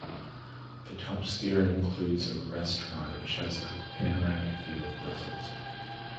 The top sphere includes a restaurant which has a panoramic view of Brussels.